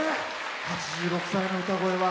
８６歳の歌声は。